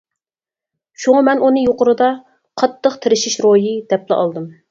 شۇڭا مەن ئۇنى يۇقىرىدا «قاتتىق تىرىشىش روھى» دەپلا ئالدىم.